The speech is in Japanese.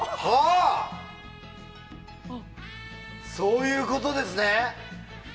そういうことですね！